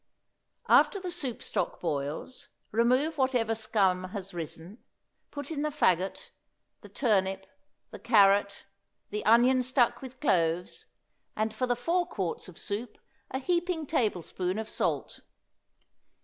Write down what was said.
After the soup stock boils remove whatever scum has risen, put in the fagot, the turnip, the carrot, the onion stuck with cloves, and for the four quarts of soup a heaping tablespoonful of salt.